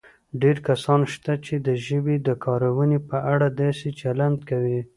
ډېر کسان شته چې د ژبې د کارونې په اړه داسې چلند کوي